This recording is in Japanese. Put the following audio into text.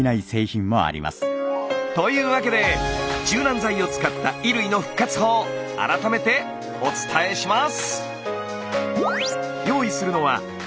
というわけで柔軟剤を使った衣類の復活法改めてお伝えします！